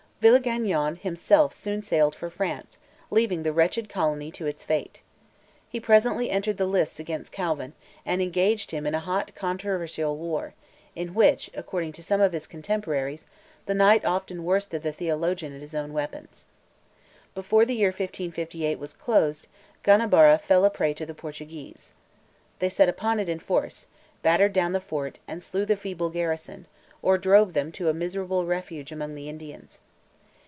Villegagnon himself soon sailed for France, leaving the wretched colony to its fate. He presently entered the lists against Calvin, and engaged him in a hot controversial war, in which, according to some of his contemporaries, the knight often worsted the theologian at his own weapons. Before the year 1558 was closed, Ganabara fell a prey to the Portuguese. They set upon it in force, battered down the fort, and slew the feeble garrison, or drove them to a miserable refuge among the Indians.